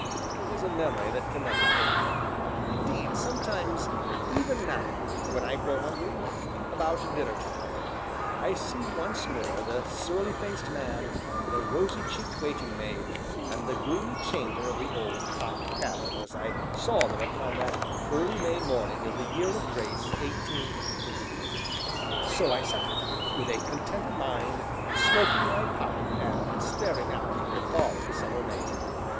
It is a memory that can never fade. Indeed, sometimes (even now), when I grow hungry, (about dinner time) I see once more the surly faced man, the rosy cheeked waiting maid, and the gloomy chamber of the "Old Cock" tavern as I saw them upon that early May morning of the year of grace 18 . So I sat, with a contented mind, smoking my pipe, and staring out at the falling summer rain.